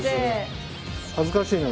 恥ずかしいな。